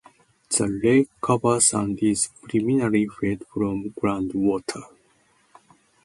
The lake covers and is primarily fed from groundwater.